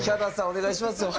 お願いしますよ。